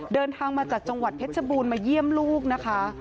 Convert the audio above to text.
เดินทางมาจากจังหวัดเพชรบูรณ์มาเยี่ยมลูกนะคะ